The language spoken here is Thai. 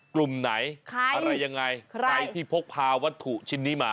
กลุ่มไหนอะไรยังไงใครที่พกพาวัตถุชิ้นนี้มา